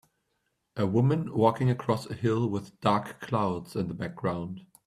A woman walking across a hill with dark clouds in the background.